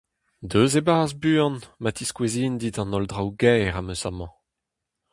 Deus e-barzh buan, ma tiskouezin dit an holl draoù kaer am eus amañ.